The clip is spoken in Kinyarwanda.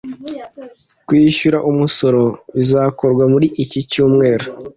kwishyura umusoro bizakorwa muri iki cyumweru